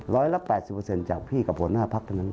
ร้อยละ๘๐จากพี่กับหัวหน้าพักเท่านั้น